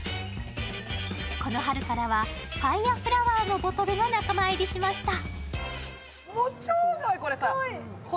この春からは、ファイアフラワーのボトルも仲間入りしました。